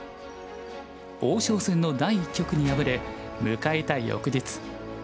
王将戦の第１局に敗れ迎えた翌日。